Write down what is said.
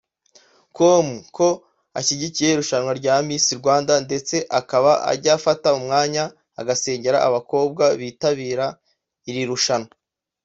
com ko ashyigikiye irushanwa rya Miss Rwanda ndetse akaba ajya afata umwanya agasengera abakobwa bitabira iri rushanwa